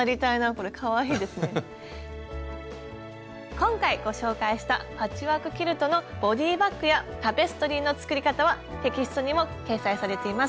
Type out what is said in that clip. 今回ご紹介したパッチワークキルトのボディーバッグやタペストリーの作り方はテキストにも掲載されています。